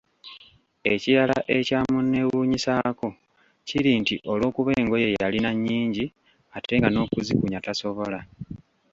Ekirala ekyamunneewuunyisaako, kiri nti olwokuba engoye yalina nnyingi ate nga nokuzikunya tasobola